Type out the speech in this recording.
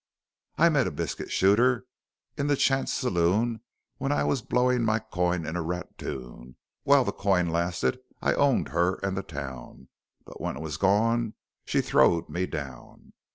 I met a biscut shooter in the chance saloon when i was blowin my coin in ratoon while the coin lasted i owned her an the town but when it was gone she throwed me down.